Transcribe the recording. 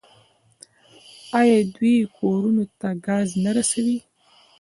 آیا دوی کورونو ته ګاز نه رسوي؟